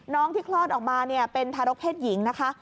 ที่คลอดออกมาเป็นทารกเพศหญิงนะคะ